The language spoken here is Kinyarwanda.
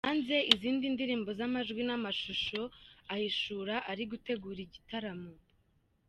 hanze izindi ndirimbo z’amajwi n’amashusho, ahishura ari gutegura igitaramo